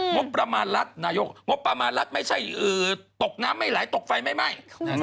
งบประมาณรัฐนายกงบประมาณรัฐไม่ใช่ตกน้ำไม่ไหลตกไฟไม่ไหม้